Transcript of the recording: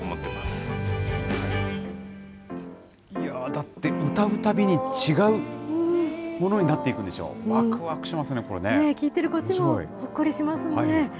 だって、歌うたびに違うものになっていくんでしょ、わくわくしますね、こ聴いてるこっちもほっこりしますね。